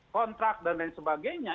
kontrak dan lain sebagainya